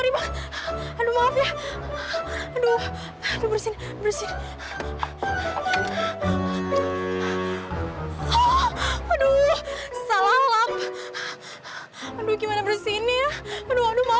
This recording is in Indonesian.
pegang pegang dikit aja bulunya